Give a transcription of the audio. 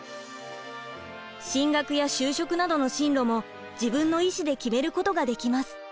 進学や就職などの進路も自分の意思で決めることができます。